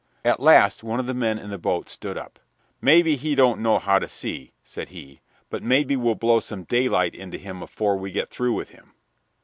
At last one of the men in the boat spoke up. "Maybe he don't know how to see," said he, "but maybe we'll blow some daylight into him afore we get through with him."